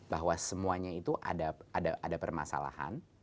bahwa semuanya itu ada permasalahan